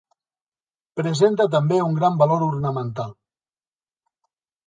Presenta també un gran valor ornamental.